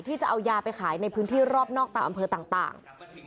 จะเอายาไปขายในพื้นที่รอบนอกตามอำเภอต่าง